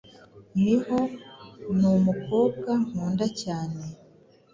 Miho numukobwa nkunda cyane.